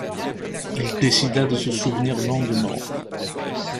Il décida de se souvenir longuement.